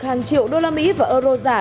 hàng triệu đô la mỹ và euro giả